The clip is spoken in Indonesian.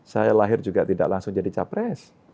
saya lahir juga tidak langsung jadi capres